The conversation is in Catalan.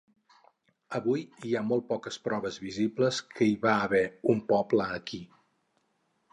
Avui, hi ha molt poques proves visibles que hi va haver un poble aquí.